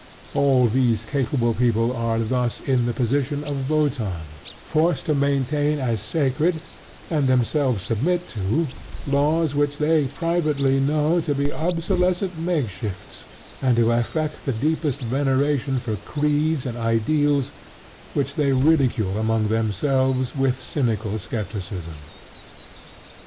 All these capable people are thus in the position of Wotan, forced to maintain as sacred, and themselves submit to, laws which they privately know to be obsolescent makeshifts, and to affect the deepest veneration for creeds and ideals which they ridicule among themselves with cynical scepticism.